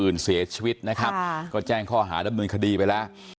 อื่นเสียชีวิตนะครับก็แจ้งข้อหาดำเนินคดีไปแล้ว